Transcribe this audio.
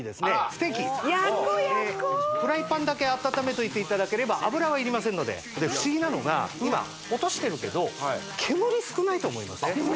ステーキ・焼こう焼こうフライパンだけ温めておいていただければ油はいりませんのでで不思議なのが今音してるけど煙少ないと思いません？